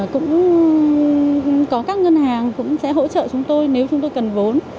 cũng có các ngân hàng cũng sẽ hỗ trợ chúng tôi nếu chúng tôi cần vốn